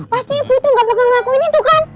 pasti ibu tuh gak bakal ngakuin itu kan